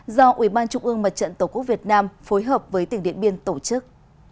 do ủy ban trung ương mặt trận tổ quốc việt nam phối hợp với tỉnh điện biên tổ chức